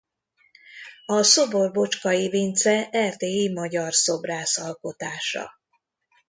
A szobor Bocskai Vince erdélyi magyar szobrász alkotása.